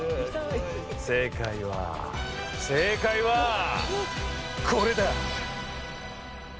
正解は正解はこれだ！